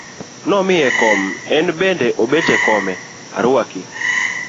Nomiye kom en bende obet e kome, aruaki.